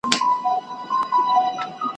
چي خپل کاروان مو د پردیو پر سالار سپارلی `